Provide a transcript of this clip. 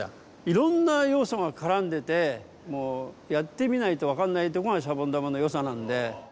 いろんなようそがからんでてもうやってみないとわかんないとこがシャボン玉のよさなんで。